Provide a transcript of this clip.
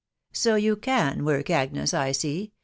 . .'So you can work, Agnes, I see